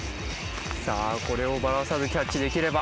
さぁこれをバラさずキャッチできれば